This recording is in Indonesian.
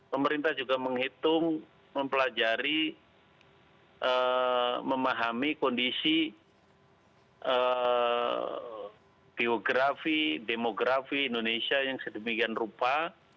pemerintah juga menghitung mempelajari memahami kondisi geografi demografi indonesia yang sedemikian rupa